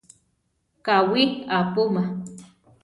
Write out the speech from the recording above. Káwi apúma.